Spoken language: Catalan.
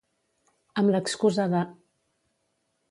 Amb l'excusa de.